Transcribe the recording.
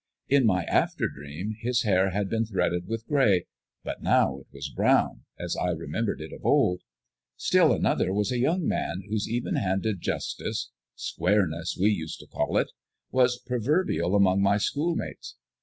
In my after dream, his hair had been threaded with gray; but now it was brown, as I remembered it of old. Still another was a young man whose even handed justice "squareness," we used to call it was proverbial among my schoolmates.